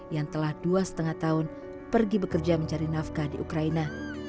yang telah dua lima tahun pergi bekerja mencari nafkah di ukraina